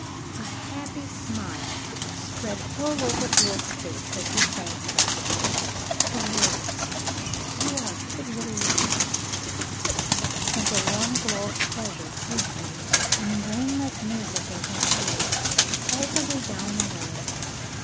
A happy smile spread all over Jules's face as he thanked her. The words, "You are a good little lad," sent a warm glow of pleasure through him, and rang like music in his ears all the way down the lane.